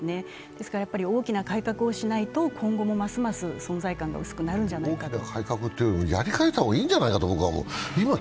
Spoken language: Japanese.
ですから、大きな改革をしないと今後もますます存在感が薄くなるんじゃないかと。